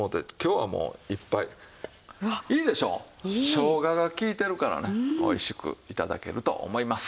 しょうがが利いてるからねおいしく頂けると思います。